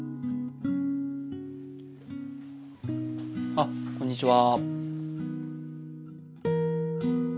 あっこんにちは。